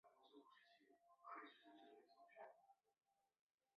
而在苏格兰的其他地区也举办有当地独自的庆祝活动。